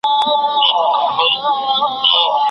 ما د خضر پر چینه مړي لیدلي